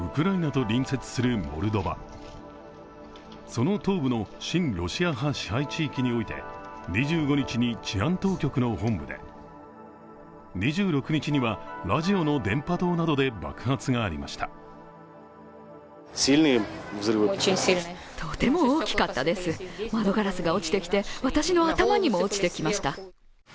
その東部の親ロシア派支配地域において２５日に治安当局の本部で２６日にはラジオの電波塔などで爆発がありました。